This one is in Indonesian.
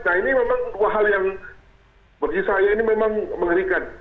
nah ini memang dua hal yang bagi saya ini memang mengerikan